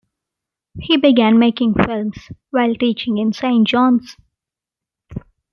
He began making films while teaching in Saint John's.